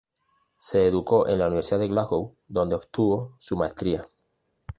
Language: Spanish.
Se educó en la Universidad de Glasgow, donde obtuvo su maestría.